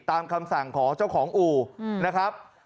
ตามคำสั่งของเจ้าของอู่นะครับ